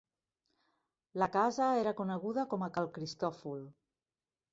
La casa era coneguda com a Cal Cristòfol.